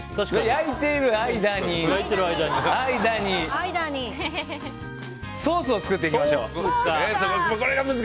焼いている間にソースを作っていきましょう。